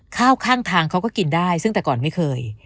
ข้าวข้างทางเขาก็กินได้ซึ่งแต่ก่อนไม่เคย